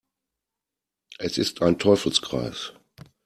Es ist ein Teufelskreis.